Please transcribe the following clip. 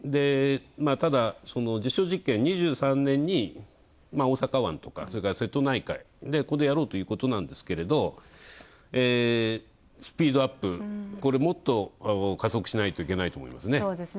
ただ、実証実験、２３年に大阪湾とか瀬戸内海、ここでやろうということなんですけれどスピードアップ、これ、もっと加速しないといけないと思いますね。